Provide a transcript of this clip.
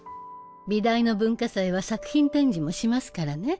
美大の文化祭は作品展示もしますからね。